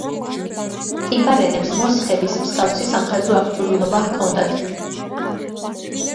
ტიბარენებს მოსხების მსგავსი სამხედრო აღჭურვილობა ჰქონდათ.